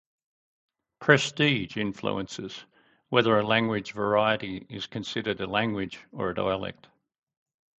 Prestige influences whether a language variety is considered a language or a dialect.